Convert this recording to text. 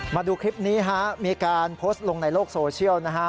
มาดูคลิปนี้ฮะมีการโพสต์ลงในโลกโซเชียลนะฮะ